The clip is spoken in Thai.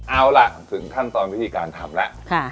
เอาล่ะถึงขั้นตอนวิธีการทำแล้ว